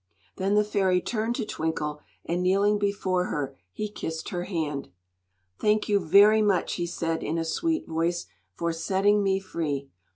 Then the fairy turned to Twinkle, and kneeling before her he kissed her hand. "Thank you very much," he said, in a sweet voice, "for setting me free.